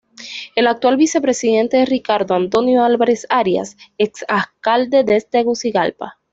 El actual Vicepresidente es Ricardo Antonio Álvarez Arias, exalcalde de Tegucigalpa.